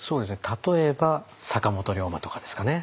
例えば坂本龍馬とかですかね。